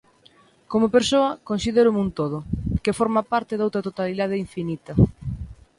Como persoa, considérome un todo, que forma parte doutra totalidade infinita.